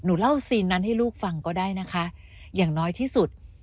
เล่าซีนนั้นให้ลูกฟังก็ได้นะคะอย่างน้อยที่สุด